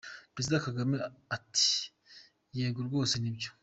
Perezida Kagame ati :”Yego rwose ni byo.